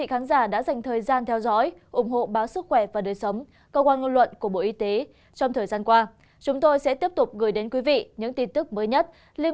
hãy đăng ký kênh để ủng hộ kênh của chúng mình nhé